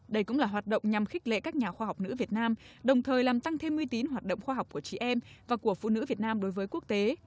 đây cũng là hoạt động nhằm khích lệ các nhà khoa học nữ việt nam đồng thời làm tăng thêm uy tín hoạt động khoa học của chị em và của phụ nữ việt nam đối với quốc tế